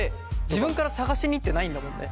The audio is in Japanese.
自分から探しに行ってないんだもんね。